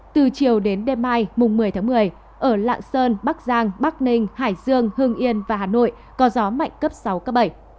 từ chiều đến đêm mai mùng một mươi tháng một mươi ở lạng sơn bắc giang bắc ninh hải dương hưng yên và hà nội có gió mạnh cấp sáu cấp bảy